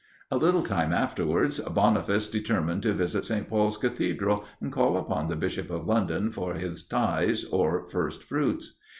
A little time afterwards, Boniface determined to visit St. Paul's Cathedral, and call upon the Bishop of London for his tithes or first fruits.